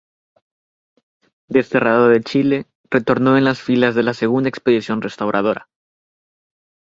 Desterrado a Chile, retornó en filas de la Segunda Expedición Restauradora.